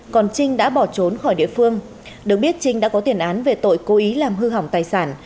còn trinh đã bỏ trốn khỏi địa phương được biết trinh đã có tiền án về tội cố ý làm hư hỏng tài sản